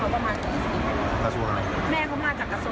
แม่เขามาจากกระทรวงสาธารณะศิลป์